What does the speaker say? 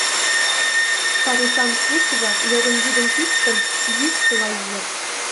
Парусан пуш-влак, йогын вӱдым пӱчкын, йӱксыла ийыт.